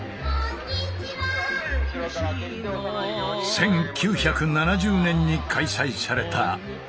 １９７０年に開催された大阪万博。